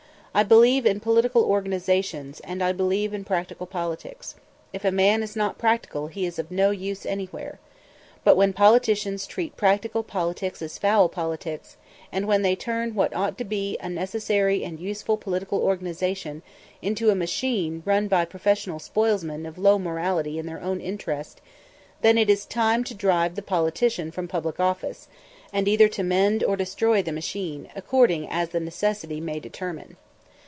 I believe in political organizations, and I believe in practical politics. If a man is not practical, he is of no use anywhere. But when politicians treat practical politics as foul politics, and when they turn what ought to be a necessary and useful political organization into a machine run by professional spoilsmen of low morality in their own interest, then it is time to drive the politician from public life, and either to mend or destroy the machine, according as the necessity may determine.